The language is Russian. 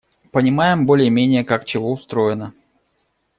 Понимаем более-менее, как чего устроено.